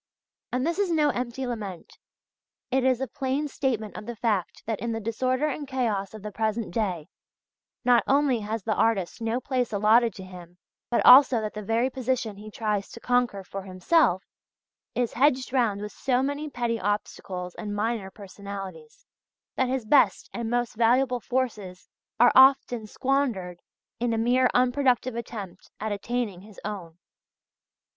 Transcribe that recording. And this is no empty lament; it is a plain statement of the fact that in the disorder and chaos of the present day, not only has the artist no place allotted to him, but also that the very position he tries to conquer for himself, is hedged round with so many petty obstacles and minor personalities, that his best and most valuable forces are often squandered in a mere unproductive attempt at "attaining his own."